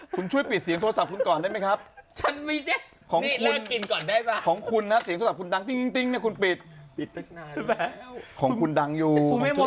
คุณช่วยปิดเสียงโทรศัพท์คุณก่อนได้ไหมครับของคุณนะเสียงโทรศัพท์คุณดังจริงเนี่ยคุณปิดเนี่ยยของคุณดังอยู่